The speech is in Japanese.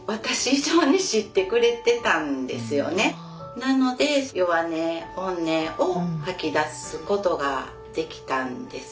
なので弱音本音を吐き出すことができたんですよね。